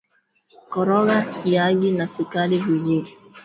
Koroga siagi na sukari vizuri